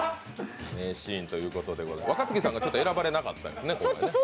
名シーンということで、若槻さんが選ばれなかったですね。